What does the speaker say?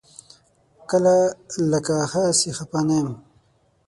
کله لکه هسې خپه یم.